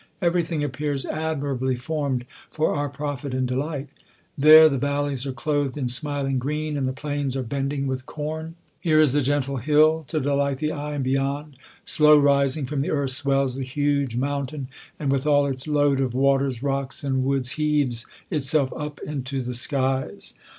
Every thing appears admirably formed for our profit and delight. There the vallies are clothed in smiling green, and the plains are bending with corn. Here is the gentle hill to delight the eye, and beyond, slow rising from the earth, swells the huge mountain, &nd, with all its load of waterB, rocks, and woods, heaves itself up into the skies.